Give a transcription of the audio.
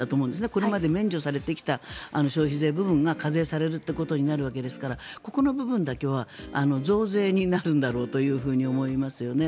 これまで免除されてきた消費税部分が課税されることになるわけですからここの部分だけは増税になるんだろうと思いますよね。